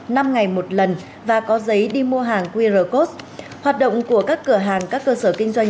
năm ngày một lần và có giấy đi mua hàng qr code hoạt động của các cửa hàng các cơ sở kinh doanh